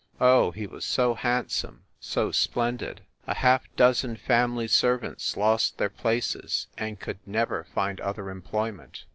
Oh, he was so handsome, so splendid ! A half dozen family servants lost their places and could never find other employment.